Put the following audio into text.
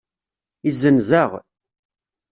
Izzenz-aɣ.